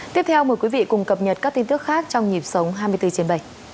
tiếp theo mời quý vị cùng cập nhật các tin tức khác trong nhịp sống hai mươi bốn trên bảy